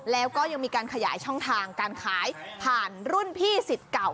แล้วก็ยังมีการขยายช่องทางการขายผ่านรุ่นพี่สิทธิ์เก่า